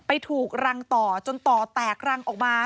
ถูกรังต่อจนต่อแตกรังออกมา